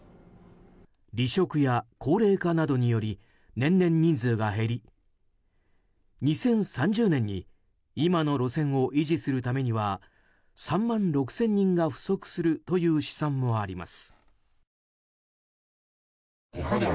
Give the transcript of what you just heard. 離職や高齢化などにより年々人数が減り２０３０年に今の路線を維持するためには３万６０００人が不足するという試算もあります。